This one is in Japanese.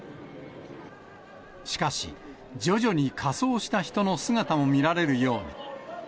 しかし、徐々に仮装した人の姿も見られるように。